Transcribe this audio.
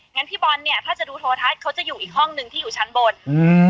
งั้นพี่บอลเนี้ยถ้าจะดูโทรทัศน์เขาจะอยู่อีกห้องหนึ่งที่อยู่ชั้นบนอืม